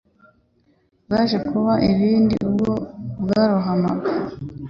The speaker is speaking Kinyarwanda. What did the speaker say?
byaje kuba ibindi ubwo bwarohamaga